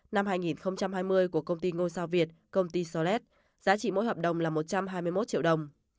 năm hai nghìn hai mươi của công ty ngôi sao việt công ty solet giá trị mỗi hợp đồng là một trăm hai mươi một triệu đồng